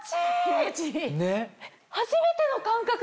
初めての感覚です。